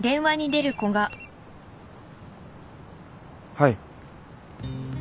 はい。